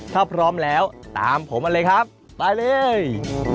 ถ้าพร้อมแล้วตามผมมาเลยครับไปเลย